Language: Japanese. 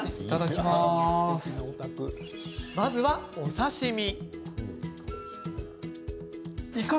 まずは、お刺身。